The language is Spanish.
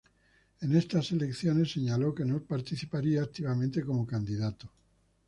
En estas elecciones, señaló que no participaría activamente como candidato.